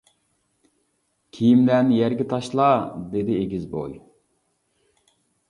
-كىيىملەرنى يەرگە تاشلا، -دېدى ئېگىز بوي.